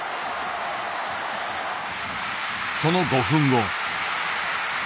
その５分後。